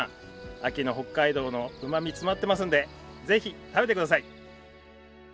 秋の北海道のうまみ詰まってますんで是非食べてください！